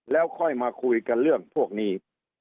แล้วค่อยมาคุยกันเรื่องพวกนี้